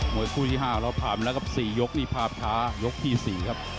กลุ่มคู่ที่๕เราพันเรียกเลือกกับ๔ยกนี่ภาพท้ายกที่๔ครับ